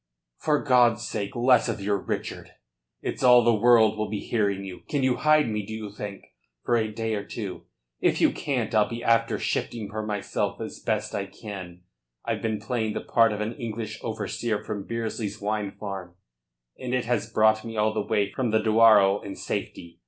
"For God's sake, less of your Richard! It's all the world will be hearing you. Can you hide me, do you think, for a day or two? If you can't, I'll be after shifting for myself as best I can. I've been playing the part of an English overseer from Bearsley's wine farm, and it has brought me all the way from the Douro in safety.